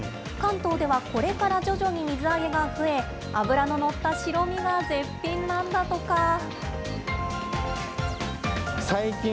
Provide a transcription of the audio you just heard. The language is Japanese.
関東ではこれから徐々に水揚げが増え、脂の乗った白身が絶品なんだとか。